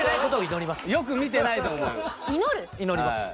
祈ります。